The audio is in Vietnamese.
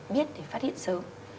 biết để phát hiện sớm